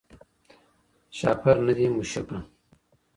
شهپر نه دي مشوکه